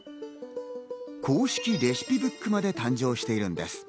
公式レシピブックまで誕生しているんです。